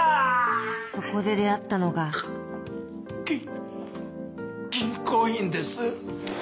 そこで出会ったのがぎ銀行員です。